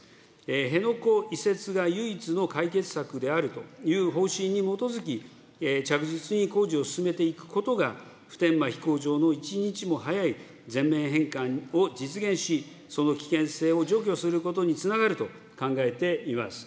辺野古移設が唯一の解決策であるという方針に基づき、着実に工事を進めていくことが、普天間飛行場の一日も早い全面返還を実現し、その危険性を除去することにつながると考えています。